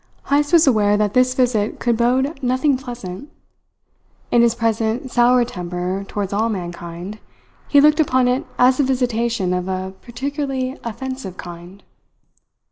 Heyst was aware that this visit could bode nothing pleasant. In his present soured temper towards all mankind he looked upon it as a visitation of a particularly offensive kind.